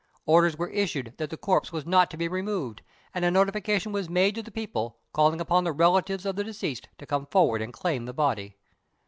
Orders were issued that the corpse was not to be removed, and a notification was made to the people, calling upon the relatives of the deceased to come forward and claim the body.